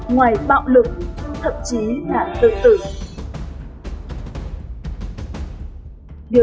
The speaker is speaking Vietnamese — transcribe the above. ngoài bạo lực thậm chí là tự tử